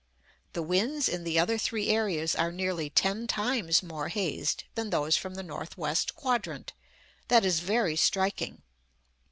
The winds in the other three areas are nearly ten times more hazed than those from the north west quadrant. That is very striking.